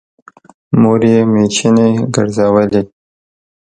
مور يې مېچنې ګرځولې